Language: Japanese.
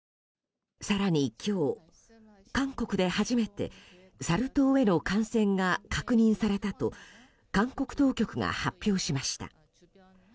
更に今日、韓国で初めてサル痘への感染が確認されたと韓国当局が発表しました。